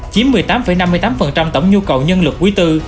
chiếm một mươi tám năm mươi tám tổng nhu cầu nhân lực quý tư